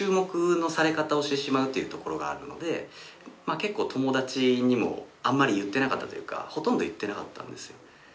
結構友達にもあんまり言ってなかったというかほとんど言ってなかったんですよ。